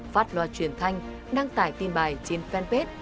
phát loa truyền thanh đăng tải tin bài trên fanpage